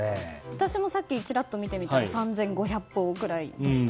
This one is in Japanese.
私もさっきちらっと見てみたら３５００歩くらいでした。